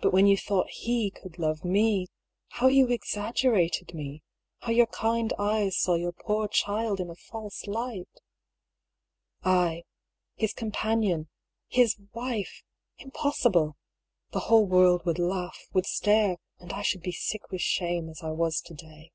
But when you thought he could love me, how you exaggerated me, how your kind eyes saw your poor child in a false light ! I — ^his companion — his — wife ! Impossible ! The whole world would laugh, would stare ! and I should be sick with shame, as I was to day.